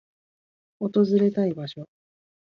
訪れたい場所